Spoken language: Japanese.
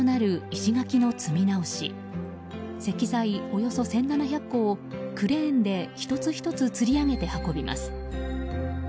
およそ１７００個をクレーンで１つ１つつり上げて運びます。